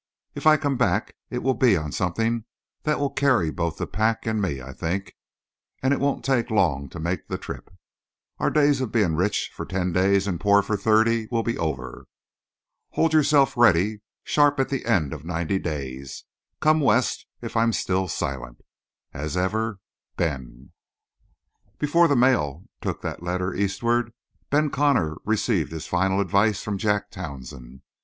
If I come back it will be on something that will carry both the pack and me, I think, and it won't take long to make the trip. Our days of being rich for ten days and poor for thirty will be over. Hold yourself ready; sharp at the end of ninety days, come West if I'm still silent. As ever, BEN. Before the mail took that letter eastward, Ben Connor received his final advice from Jack Townsend.